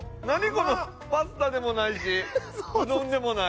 このパスタでもないしうどんでもない。